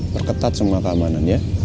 berketat semua keamanan ya